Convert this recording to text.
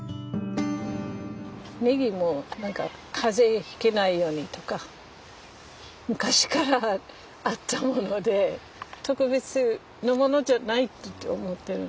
ネギも風邪ひけないようにとか昔からあったもので特別のものじゃないと思ってる。